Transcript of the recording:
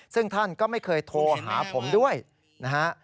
ซึ่งท่านก็ไม่เคยโทรหาผมด้วยนะฮะ